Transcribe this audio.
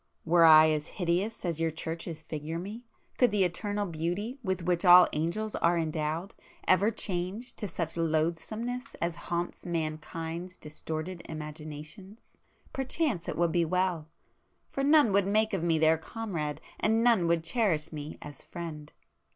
Were I as hideous as your Churches figure me,—could the eternal beauty with which all angels are endowed, ever change to such loathsomeness as haunts mankind's distorted imaginations, perchance it would be well,—for none would make of me their comrade, and none would cherish me as friend!